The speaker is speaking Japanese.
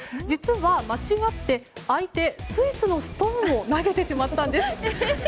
実は、間違って相手スイスのストーンを投げてしまったんです。